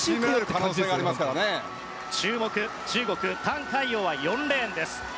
注目の中国、タン・カイヨウは４レーンです。